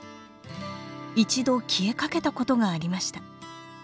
一度消えかけたことがありました。